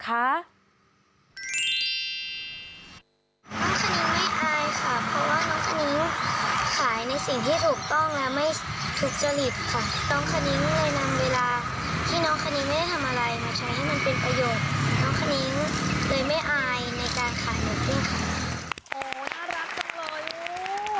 โอ้น่ารักจนรออยู่